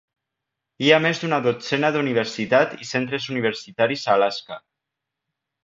Hi ha més d'una dotzena d'universitat i centres universitaris a Alaska.